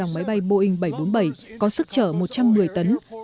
một tầng máy bay boeing bảy trăm bốn mươi bảy có sức chở một trăm một mươi tấn